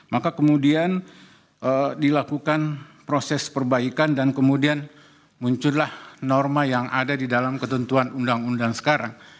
maka kemudian dilakukan proses perbaikan dan kemudian muncullah norma yang ada di dalam ketentuan undang undang sekarang